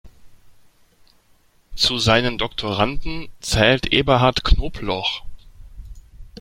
Zu seinen Doktoranden zählt Eberhard Knobloch.